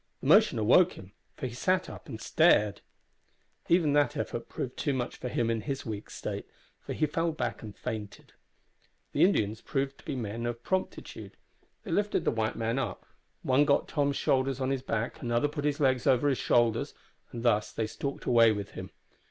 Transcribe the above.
The motion awoke him, for he sat up and stared. Even that effort proved too much for him in his weak state, for he fell back and fainted. The Indians proved to be men of promptitude. They lifted the white man up; one got Tom's shoulders on his back, another put his legs over his shoulders, and thus they stalked away with him.